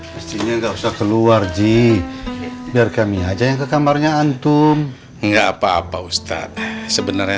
mestinya enggak usah keluar ji biar kami aja yang ke kamarnya antum enggak apa apa ustadz sebenarnya